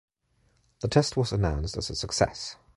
The test was announced as a success.